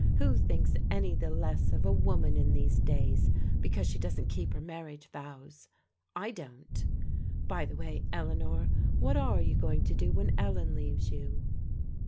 Who thinks any the less of a woman in these days because she doesn't keep her marriage vows ? I don't. By the way, Eleanor, what are you go mg to do when Ellen leaves you